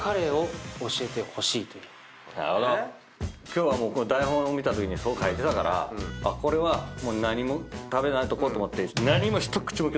今日は台本見たときにそう書いてたからこれは何も食べないでおこうと思って何も。